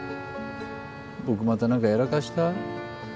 僕また何かやらかした？